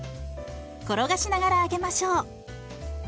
転がしながら揚げましょう。